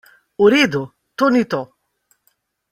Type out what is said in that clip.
V redu, to ni to.